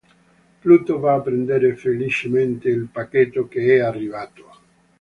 Pluto va a prendere felicemente il pacchetto che è arrivato.